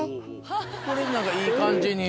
これ何かいい感じに。